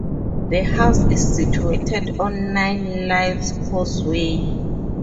The house is situated on Nine Lives Causeway.